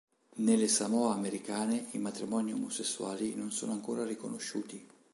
Nelle Samoa Americane i matrimoni omosessuali non sono ancora riconosciuti.